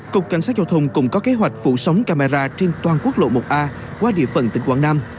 cục cảnh sát giao thông cũng có kế hoạch phủ sóng camera trên toàn quốc lộ một a qua địa phận tỉnh quảng nam